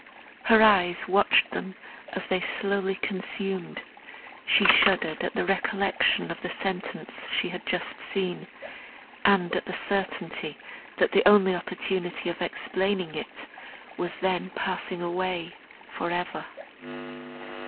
Her eyes watched them as they slowly consumed, she shuddered at the recollection of the sentence she had just seen, and at the certainty, that the only opportunity of explaining it was then passing away for ever.